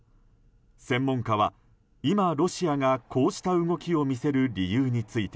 専門家は今、ロシアがこうした動きを見せる理由について